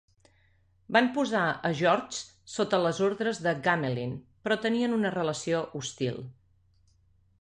Van posar a Georges sota les ordres de Gamelin, però tenien una relació hostil.